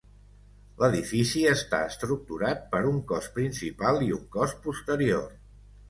L'edifici està estructurat per un cos principal i un cos posterior.